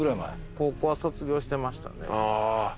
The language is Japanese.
高校は卒業してましたね。